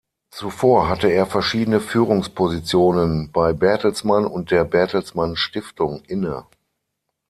Zuvor hatte er verschiedene Führungspositionen bei Bertelsmann und der Bertelsmann Stiftung inne.